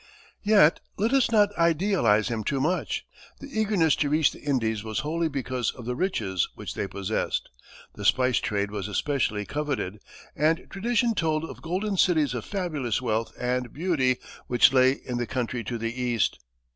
Yet let us not idealize him too much. The eagerness to reach the Indies was wholly because of the riches which they possessed. The spice trade was especially coveted, and tradition told of golden cities of fabulous wealth and beauty which lay in the country to the east.